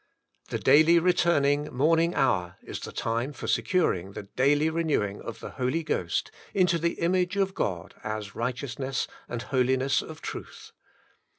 The daily returning morning hour is the time for securing the daily renewing of the Holy Ghost 128 The Inner Chamber into the image of God as righteousness and holi ness of truth.